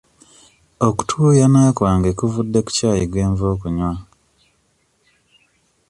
Okutuuyana kwange kuvudde ku ccaayi gwe nva okunywa.